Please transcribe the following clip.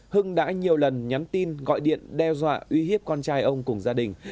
hưng đã nhiều lần nhắn tin gọi điện đe dọa uy hiếp con trai ông cùng gia đình